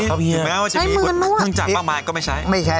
ครับเฮียถึงแม้ว่าจะมีเพิ่งจักรบ้างมากก็ไม่ใช้ไม่ใช้